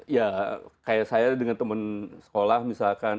ya kayak saya dengan teman sekolah misalkan